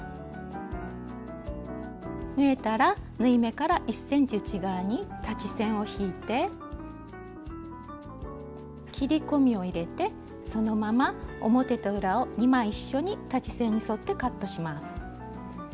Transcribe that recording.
縫えたら縫い目から１ｃｍ内側に裁ち線を引いて切り込みを入れてそのまま表と裏を２枚一緒に裁ち線に沿ってカットします。